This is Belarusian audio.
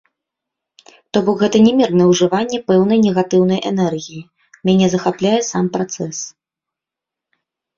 То бок гэта не мірнае ўжыванне пэўнай негатыўнай энергіі, мяне захапляе сам працэс.